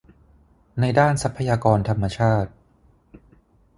ในด้านทรัพยากรธรรมชาติ